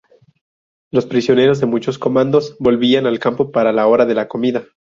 Los prisioneros de muchos comandos volvían al campo para la hora de la comida.